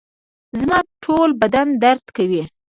زما ټوله بدن درد کوي